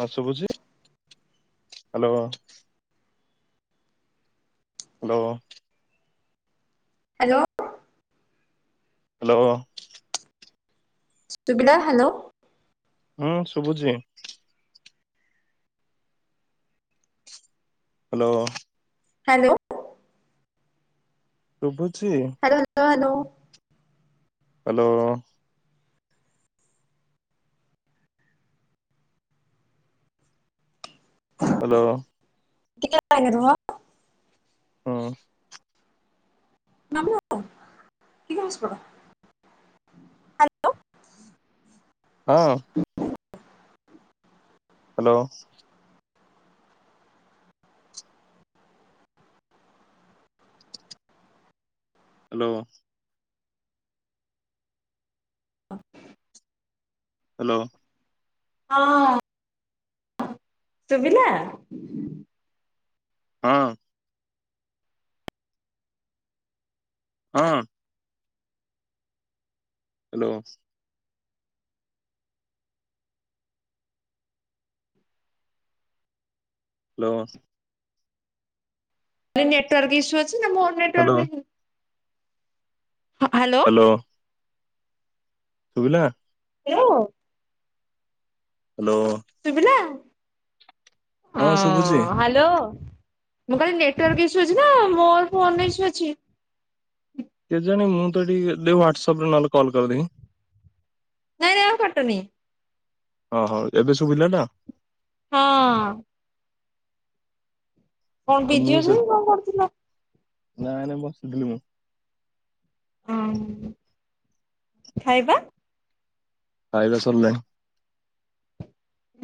ହଁ ଶୁଭୁଛି hello. Hello. Hello. Hello. ସୁବିିଲା ହ୍ୟାଲୋ। ହୁଁ ଶୁଭୁଛି। ହ୍ୟାଲୋ। ହ୍ୟାଲୋ। ଶୁଭୁଛି। Hello hello. Hello. Hello. ଟିକେ ଲାଇନରେ ରୁହ। ହଁ ଅଁ। [unintelligible] ହଁ। ହ୍ୟାଲୋ। ହ୍ୟାଲୋ। ହଁ। ହ୍ୟାଲୋ। ହଁ। ଶୁଭିଲା? ହଁ। ହଁ। ହ୍ୟାଲୋ। ହ୍ୟାଲୋ। ଭାଇ ନେଟୱାର୍କ ଇସୁ ଅଛି ନା ମୋର ନେଟୱାର୍କ ହ୍ୟାଲୋ ନାହିଁ। ହ ହ୍ୟାଲୋ। କୁହ। ଶୁଭିଲା? ହ୍ୟାଲୋ। ହ୍ୟାଲୋ। ଶୁଭିଲା, ହଁ ହାଲ ହାଲୋ ମୁଁ କହିଲି ନେଟୱାର୍କ ଇସୁ ଅଛି ନା ମୋ ଫୋନରେ ଇସୁ ଅଛି। କେଜାଣି ମୁଁ ତ ଟିକେ ଦେ ହ୍ୱାଟସପ୍ରେ ନହେଲେ କଲ କରିଦେବି। ନାଇଁ ନାଇଁ ଆଉ କାଟନି। ଅ ହୋ ଏବେ ଶୁଭିଲା ନା? ହଁଅଁ। କଣ ଆଉ ବିଜି ମୁଁ ସେ ଅଛନ୍ତି କଣ କରୁଥିଲ? ନାଇଁ ନାଇଁ ବସିଥିଲି ମୁଁ। ହଁ ଖାଇବା? ଖାଇବା ସରିଲାଣି।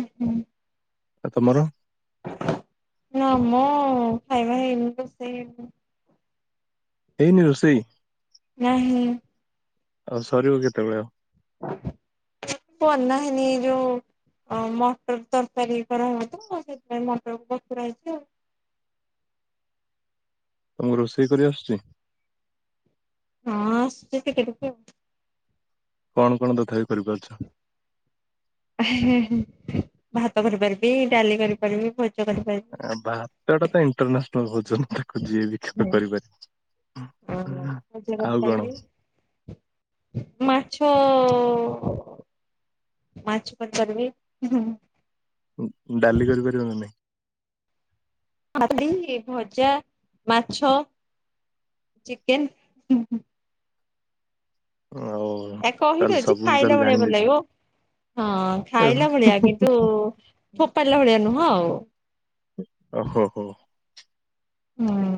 ହୁଁ ହୁଁ। ଆଉ ତମର? ନା ଆମ ଖାଇବା ହେଇନି ରୋଷେଇ ହେଇନି। ହେଇନି ରୋଷେଇ? ନାହିଁ। ଆଉ ସରିବ କେତେବେଳେ ଆଉ। ବନା ହେଇନି ଯଉ ଆଉ ମଟର ତରକାରୀ କରାହୁଏ ତ ସେଥିପାଇଁ ମଟରକୁ ବତୁରା ହେଇଚି ଆଉ। ତମକୁ ରୋଷେଇ କରି ଆସୁଛି? ହଁ ଆସିଚି ଟିକେ ଟିକେ ଆଉ। କଣ କଣ ତଥାପି କରିପାରୁଛ? ହେ ହେ ହେ ଭାତ କରିପାରିବି ଡାଲି କରିପାରିବି ଭଜା କରିପାରିବି। ଆ ଭାତଟା ତ ଇଣ୍ଟରନାସନାଲ ଭୋଜନ। ଯିଏ ବି [unintelligible] ହୁଁ। ହଁ କରିପାରେ ଭଜା ଆଉ କଣ କରିପାରିବି ମାଛ ମାଛ କରିପାରିବି। ଡାଲି କରିପାରିବ ନା ନାଇଁ? ଡାଲି ଭଜା ମାଛ ଚିକେନ ଆଉ ଆ ତାହେଲେ କହିଦଉଛି ସବୁ ଖାଇଲା ତାହେଲେ ଭଳିଆ ଭଲ ଜାଣିଦେଇଛ ଲାଗିବ ହଁ ଖାଇଲା ଭଳିଆ କିନ୍ତୁ ଫୋପାଡିଲା ଭଳିଆ ନୁହଁ ଆଉ। ଓ ହୋ ହୋ ହୁଁ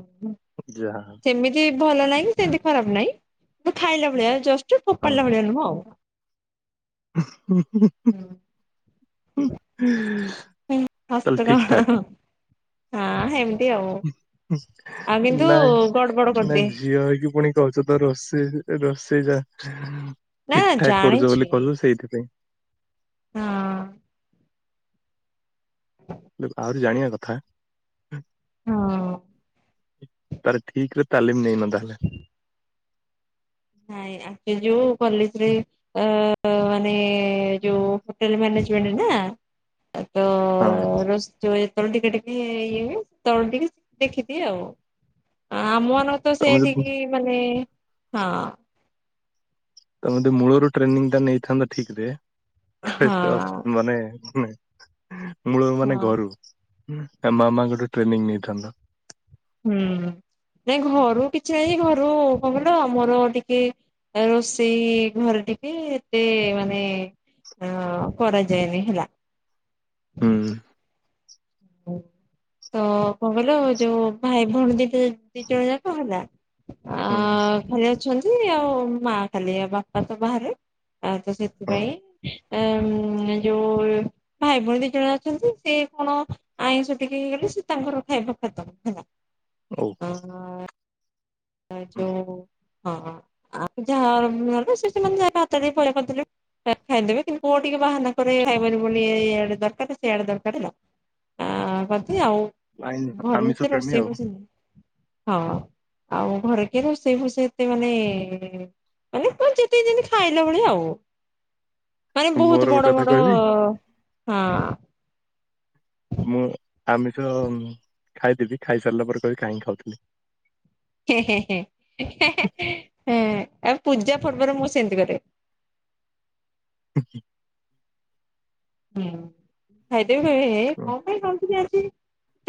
ଯାହା ହଉ ସେମିତି ଭଲ ନାହିଁ କି ସେମିତି ଖରାପ ନାହିଁ ତ ଖାଇଲା ଭଳିଆ ଜଷ୍ଟ ଫୋପାଡିଲା ଭଳିଆ ନୁହଁ ଆଉ। ଚାଲ ହସ କଣ ଠିକ ଠାକ। ହଁ ହେମ ନାଇ ଗଡବଡ ନାଇ କରିଦିଏ। ଝିଅ ହେଇକି ପୁଣି କହୁଛ ତ ରୋଷେଇ ରୋଷେଇ ଯା ନା ନା ଠିକ ଠାକ କରୁଛ ଜାଣିଛି ବୋଲି କହିଲୁ ସେଇଥିପାଇଁ। ହଁ ଆହୁରି ଜାଣିବା କଥା। ହଁ ତାର ଠିକ ରେ ତାଲିମ ନେଇନ ତାହେଲେ। ନାଇଁ ଆଗ ଯୋଉ କଲେଜରେ ଅ ମାନେ ଯୋଉ ହୋଟେଲ ମ୍ୟାନେଜମେଣ୍ଟ ନା ତ ହଁ ର ଯେତେବେଳେ ଟିକେ ଟିକେ ଇଏ ହୁଏ ସେତେବେଳେ ଟିକେ ଦେଖିଦିଏ ଆଉ ଆ ଆମ ମାନ ତ ତମେ ଯଦି ସେଠିକି ମାନେ ହଁ ତେ ମୂଳରୁ ଟ୍ରେନିଂ ଟା ନେଇଥାନ୍ତା ଠିକ ରେ। ତ ହଁ ଏତେ ମାନେ ମୂଳ ମାନେ ହଁ। ଘରୁ ୟା ମାମା ଗୋଟେ ଟ୍ରେନିଂ ନେଇଥାନ୍ତା। ହୁଁ ନାଇଁ ଘରୁ କିଛି ନାଇଁ ଘରୁ କଣ କିଲ ଆମର ଟିକେ ରୋଷେଇ ଘରେ ଟିକେ ଏତେ ମାନେ ହଁ କରାଯାଏନି ହେଲା। ହୁଁ ଉଁ ତ କଣ କହିଲ ଯଉ ଭାଇ ଭଉଣୀ ଦିଟ ଦି ଜଣ ଯାକ ହେଲା ଆ ହଁ। ଖାଲି ଅଛନ୍ତି ଆଉ ମା ଖାଲି ଆ ବାପା ତ ବାହାରେ ଆ ତ ହଁ ସେଥିପାଇଁ। ଏ ଉଁ ଯୋଉ ଭାଇ ଭଉଣୀ ଦି ଜଣେ ଅଛନ୍ତି ସେ କଣ। ଆଇଁଷ ଟିକେ ହେଇଗଲେ ସେ ତାଙ୍କର ଖାଇବା ଖତମ ହେଲା। ଓ ତାଳଚଉ ହଁ ଆ ଯା ମ ସେ ସେମାନେ [unintelligible] ହାତ ଦେଇ ପଳେଇ କରିଥିଲେ। ଖା ଖାଇ ଦେବେ କିନ୍ତୁ ପୁଅ ଟିକେ ବାହାନା କରେ ଖାଇବନି ବୋଲି ଏ ଇଆଡେ ଦରକାର ସେଇଆଡେ ଦରକାର ହେଲା। ଆ କଧେ ଆଉ ନାଇଁ ଭରେ ଆମିଷ ଭିତେ ପ୍ରେମୀ ରୋଷେଇ ଆଉ ପସେନି ହଁ। ଆଉ ଘର କେ ରୋଷେଇ ଫୁସେଇ ଏତେ ମାନେ ମାନେ ପାଞ୍ଚତେଦିନ ଖାଇଲା ଭଳି ଆଉ ପାଏ ବହୁତ ମୋର ଗୋଟେ ବଡ଼ କଥା ବଡ଼ କହିବି ହଁ। ମୁଁ ଆମିଷ ଉଁ ଖାଇଦେବି ଖାଇସାରିଲା ପରେ କହିଇ କାହିଁକି ଖାଉଥିନି। ଆଉ ପୂଜା ପର୍ବରେ ମୁଁ ସେମିତି କରେ। [unintelligible] ହୁଁ ଖାଇଦେବି କଇବି ହେ କଣ ପାଇଁ ଖାଉଥିବି ଆଜି।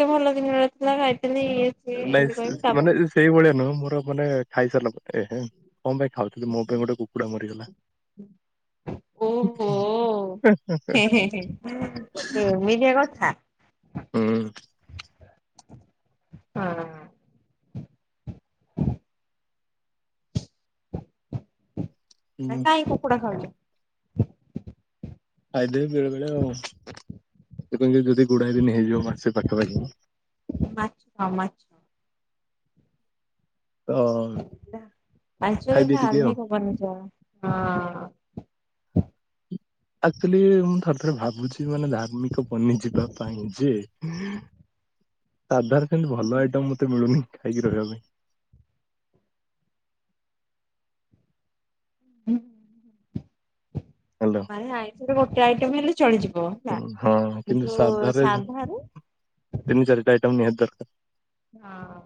ତେ ଭଲ ଜିନିନ ନଥଲା ଖାଇତେ ନେ଼ଇ ନାଇଁ ସ ମାନେ ସେ ସେଇଭଳିଆ ନୁହଁ ମୋର ମାନେ ଖାଇସାରିଲା ପରେ କଣ ପାଇଁ ଖାଉଥିଲି ମୋ ପାଇଁ ଗୋଟେ କୁକୁଡ଼ା ମରିଗଲା। ହଁ ହଁ ହଁ। ଏ ଏମିଡିଆ କଛା। ହୁଁ। ହଁ। ନା କାଇଁ କୁକୁଡ଼ା ଖାଉଛ। ଖାଇଦିଏ ବେଳେ ବେଳେ ଆଉ ଏବେ ଗେଁ ଯଦି ଗୁଡାଏ ଦିନ ହେଇଯିବ ମାସେ ପାଖାପାଖି। ମାଛ ହ ମାଛ ତ ଲା ଆଞ୍ଚଲେ ଖାଇଦିଏ ଖା ଟିକେ ଆଉ ଆମିପ ବନୁଚି କ ହଁ। ଆକ୍ଚୁଲି ମୁଁ ଥରେଥରେ ଭାବୁଛି ମାନେ ଧାର୍ମିକ ପନି ଯିବା ପାଇଁ ଯେ। ସାଧାର କି ସେମତି ଭଲ ଆଇଟମ ମତେ ମିଳୁନି ଖାଇକି ରହିବା ପାଇଁ। ହୁଁ। ହ୍ୟାଲୋ। ଆରେ ଆଇଁଷ ଗୋଟେ ଆଇଟମ ହେଲେ ଚଳିଯିବ ହେଲା ହଁ କିନ୍ତୁ ସାଧାରେ ସାଧା ରେ ତିନି ଚାରି ଟା ଆଇଟମ୍ ନିହାତି ଦରକାର। ହଁ।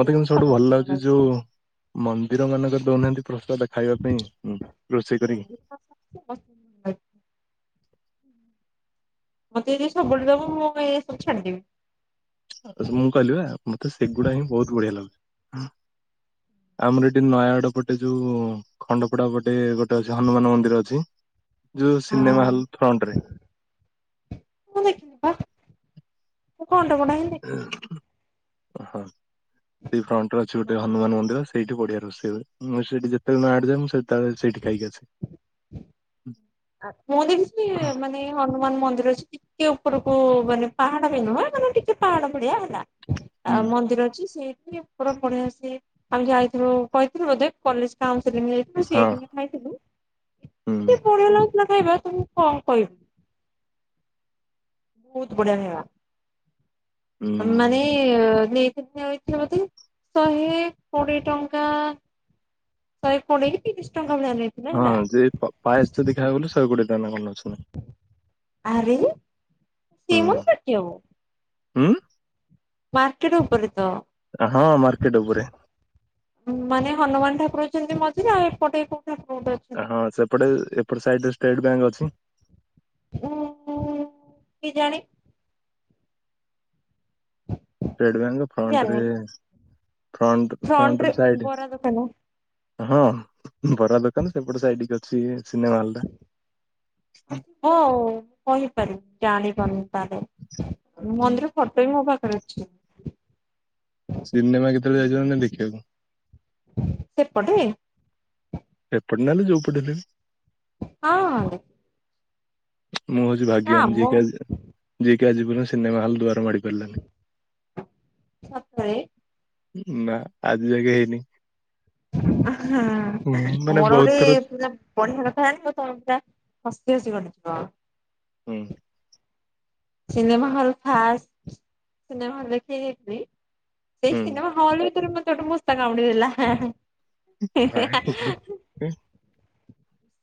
ମତେ କିନ୍ତୁ ସବୁଠୁ ଭଲ ଲାଗୁଛି ଯୋଉ ମନ୍ଦିର ମାନଙ୍କ ଦଉନାହାନ୍ତି ପ୍ରସାଦ ଖାଇବା ପାଇଁଁ ଉଁ ରୋଷେଇ କରିକି। [inaudible] ମତେ ଯଦି ସବୁବେଳେ ଦବ ମୁଁ କଇ ଏ ସବୁ ଛାଡିଦେବି। ମୁଁ କହିଲି ବା ମତେ ସେଗୁଡା ହିଁ ବହୁତ ବଢିଆ ଲାଗୁଚି ଆମର ଏଠି ନୟାଗଡ ପଟେ ଯୋଉ ଖଣ୍ଡପଡା ପଟେ ଗୋଟେ ଅଛି ହନୁମାନ ମନ୍ଦିର ଅଛି ଯୋଉ ହଁ ସିନେମା ହଲ ଫ୍ରଣ୍ଟ ରେ। ମୁଁ ଦେଖିନି ପା [unintelligible] ଓହୋ। ସେଇ ଫ୍ରଣ୍ଟ ରେ ଅଛି ଗୋଟେ ହଁ ହନୁମାନ ମନ୍ଦିର ସେଇଠି ବଢିଆ ରୋଷେଇ ହୁଏ। ମୁଁ ସେଇଠି ଯେତେବେଳେ ମାଡି ଯାଏଁ ମୁଁ ସେତେବେଳେ ସେଇଠି ଖାଇକି ଆସେ। [unintelligible] ମାନେ। ହନୁମାନ ମନ୍ଦିର ଅଛି ଟିକେ ଉପରକୁ ମାନେ ପାହାଡ ବି ନୁହେଁ ମାନେ ଟିକେ ପାହାଡ ଭଡିଆ ହେଲା। ଆଉ ହୁଁ ମନ୍ଦିର ଅଛି ସେଇଠି ଉପରେ ବଢ଼ିଆ ସେ ଆମେ ଯାଇଥିଲୁ କହିଥିଲୁ ବୋଧେ। କଲେଜ କାଉନସିଲଂ ରେ ଯାଇଥିଲୁ ହଁ ସେଇଠି ହିଁ ଖାଇଥିଲୁ ଏତେ ହୁଁ ବଢିଆ ଲାଗୁ [unintelligible] କହିବା ତମକୁ କଣ କହିବି। ବହୁତ ବଢ଼ିଆ ଖାଇବା ଆ ମାନେ ହୁଁ। ନେଇଥିବା ବୋଧେ ଶହେ କୋଡିଏ ଟଙ୍କା। ଶହେ କୋଡିଏ ତିରିଶ ଟଙ୍କା ଭଳିଆ ନେ ହଁ ଯେ ପ ପାଏସ୍ ଯଦି ଖାଇବ ବେଲେ ଶହେ କୋଡିଏ ଟଙ୍କା ନା କଣ ନ ଆରେ [unintelligible] ହୁଁ। ମାର୍କେଟ ଉପରେ ତ। ହଁ ମାର୍କେଟ ଉପରେ। ମାନେ ହନୁମାନ ଠାକୁର ଅଛନ୍ତି ମଝିରେ ଆଉ ଏପଟେ କୋଉ ଠାକୁର ଗୋଟେ ଅଛ ହଁ ସେପଟେ ଏପଟ ସାଇଡ଼ରେ ଷ୍ଟେଟ୍ ବ୍ୟାଙ୍କ୍ ଅଛି। ଉଁ ହୁଁ କେଜାଣି। ଷ୍ଟେଟବ୍ୟାଙ୍କ ଫ୍ରଣ୍ଟରେ ଜାଣିନି ଫଣ୍ଟ ଫ୍ରଣ୍ଟରେ ଫ୍ରଣ୍ଟର ସାଇଡ ବରା ଦୋକାନ ହଁ ବରା ଦୋକାନ ସେପଟେ ସାଇଡ କି ଅଛି ସିନେମା ହଲ୍ ଟା। ହଉ କହିପାରିବି ଜାଣିପାରୁନି [inaudible] ହୁଁ ମନ୍ଦିର। ଫୋଟ ବି ମୋ ପାଖରେ ଅଛି। ସିନେମା କେତେବେଳେ ଯାଇଚନ୍ତି ଦେଖିବାକୁ? ସେପଟେ। ଏପଟେ ନ ହେଲେ ଯୋଉ ପଟେ ହେଲେ ବି ହଁ। ମୁଁ ହଉଚି ଭାଗ୍ୟବାନ ଆମ ଯିଏକି ଆଜି ଯିଏକି ଆଜି ପର୍ଯ୍ୟନ୍ତ ସିନେମା ହଲ୍ ଦ୍ୱାର ମାଡି ପାରିଲାନି। ସତରେ। ନା ଆଜି ଜାକେ ହେଇନି। ଆଁ ହାଁ ହୁଁ ମାନେ ମୋର ବହୁତ ଗୋଟେ ଥର ପୁରା ପଢିବା କଥା [unintelligible] ତମେ ପୁରା ହସି ହସି ଗଡ଼ିଯିବ। ହୁଁ। ସିନେମା ହଲ ଫାଷ୍ଟ ସିନେମା ହଲରେ ଦେଖି ଯାଇଥିଲି। ସେଇ ହୁଁ ସିନେମା ହଲ ଭିତରେ ମତେ ଗୋଟେ ମୂଷା କାମୁଡି ଦେଲା। ଭାଇ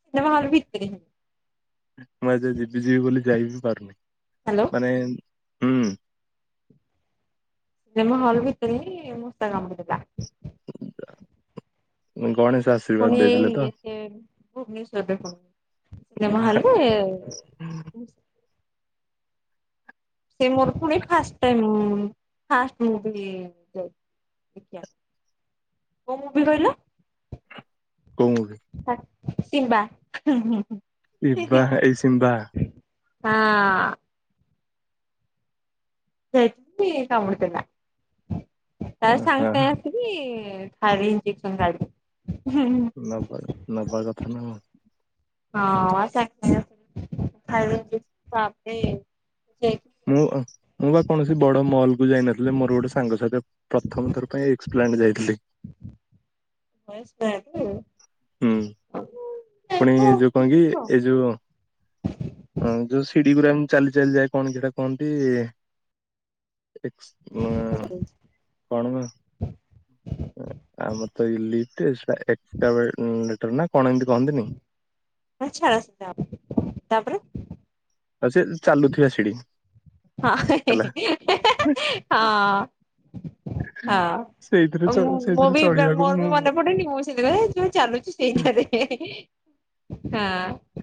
ସିନେମା ହଲ୍ ଭିତରେ। ମୁଁ ଏଯାଏଁ ଯିବି ଯିବି ବୋଲି ଯାଇ ବିି ପାରୁନି ହ୍ୟାଲୋ ମାନେ ହୁଁ। ସିନେମା ହଲ ଭିତରେ ହିଁ ମୂଷା କାମୁଡି ଦେଲା। ଗଣେଶ ଆସ ପୁଣି ଏଇ ଏତେ ଭୁବନେଶ୍ୱରରେ ପୁଣି ସିନେମା ହଲ ରେ ମୂଷା। ସେ ମୋର ପୁଣି ଫାଷ୍ଟ ଟାଇମ୍ ମୁ ଫାଷ୍ଟ ମୁଭି ଯାଇଥିଲି ଦେଖିଆ କୋଉ ମୁଭି କହିଲ? କଉ କୋଚ? ଶାକ୍ ସିବା ହୁଁ ହୁଁ ହୁଁ। ଶିବା ଏଇସିମ୍ବା। ହଁ। ସେଠି ଇଏ କାମୁଡି ଦେଲା ତାପରେ ହଁ ସାଙ୍ଗେ ସାଙ୍ଗେ ସିକି ଖାଇଲି ଇଞ୍ଜେକସନ ଖାଇଲି। ନବା ର ନବା କଥା ନାଉଁ। ହଁ ଖାଇ [unintelligible] ବାପ ରେ ସେ ମୁଁ ମୁଁ ବା କୌଣସି ବଡ଼ ମଲ୍କୁ ଯାଇନଥିଲି ମୋର ଗୋଟେ ସାଙ୍ଗସହିତ ପ୍ରଥମ ଥର ପାଇଁ ଏକ୍ସପ୍ଲାନଟ ଯାଇଥିଲି। [unintelligible] ହୁଁ। ପୁଣି ଯୋଉ କହିକି ଏଇ ଯୋ ହଁ ଯୋଉ ସିଡିି ଗୁରାକ ଚାଲି ଚାଲି ଯାଏ କଣ ସେଇଟା କୁହନ୍ତି ଏକ୍ସ ଉଁଆ କଣ ବା? ଆମର ତ ଏଇ ଲି ଏକ୍ସଟା ଡେଟର ନା କଣ ଏମତି କହନ୍ତିନି। ହଁ ଛାଡ଼ ସେ ଯାବି ହଉ ତାପରେ ଆଉ ସେ ଚାଲୁଥିବା ସିଢ଼ି। ହଁ [unintelligible] ହଁ। ସେଇଥିରେ ହଁ ଚ ମୁଁ ସେଇଥିରେ ବି ଚଢିବାକୁ ମୋର ବି ମୁଁ ମନେ ପଡେନି ମୁଁ ଥିଲି ନାଇଁ ଯୋଉ ଚାଲୁଛି ସେଇ ଟାରେ ହଁ।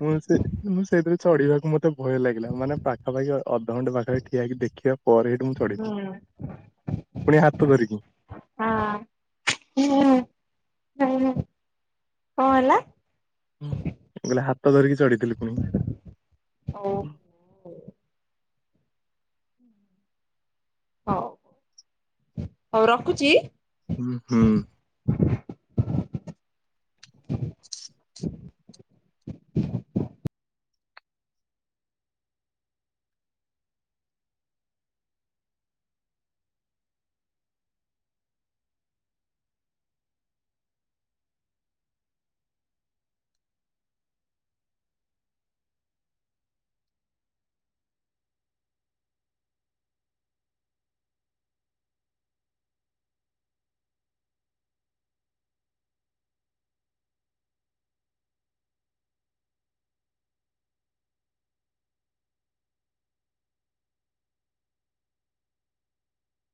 ମୁଁ ସେ ମୁଁ ସେଇଥିରେ ଚଢିବାକୁ ମତେ ଭୟ ଲାଗିଲା ମାନେ ପାଖାପାଖି ଅଧଘଣ୍ଟା ପାଖରେ ଠିଆ ହେଇକି ଦେଖିଆ ପରେ ହେଠୁ ମୁଁ ଚଢିଲି ହୁଁ ପୁଣି ହାତ ଧରିକି। ହଁ କଣ ହେଲା ହୁଁ ମୁଁ କଇଲି ହାତ ଧରିକି ଚଢିଥିଲି ପୁଣି। ହଉ। ହଉ ହଉ ରଖୁଛି। ଉଁ ହୁଁ।